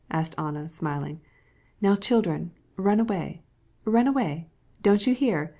asked Anna, smiling. "Now, children, run along, run along. Do you hear?